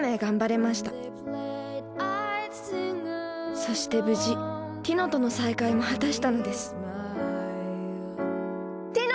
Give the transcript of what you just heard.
そして無事ティノとの再会も果たしたのですティノ！